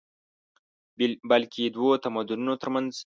بلکې دوو تمدنونو تر منځ